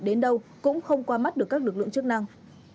đến đâu cũng không qua mắt được các lực lượng chức năng